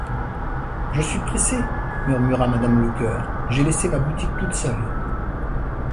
Je suis pressée, murmura madame Lecœur, j’ai laissé ma boutique toute seule.